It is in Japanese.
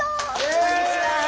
こんにちは。